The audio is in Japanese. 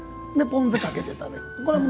ポン酢かけて食べる。